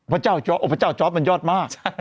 พระเจ้าจอร์ฟพระเจ้าจอร์ฟมันยอดมาก